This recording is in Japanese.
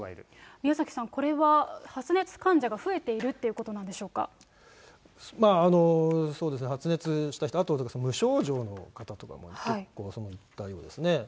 宮崎さん、これは発熱患者が増えているということなんでしょそうですね、発熱した人、あと無症状の方とかも結構、行ったようですね。